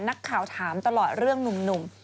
นักข่าวถามตลอดเรื่องหนุ่ม